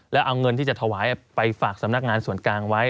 แล้วเอาเงินที่จะถวายไปฝากสำนักงานส่วนกลางไว้